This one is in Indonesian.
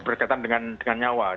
berkaitan dengan nyawa